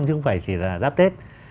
chứ không phải chỉ là giáp tết